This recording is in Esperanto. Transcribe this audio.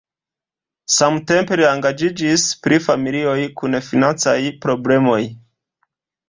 Samtempe li engaĝiĝis pri familioj kun financaj problemoj.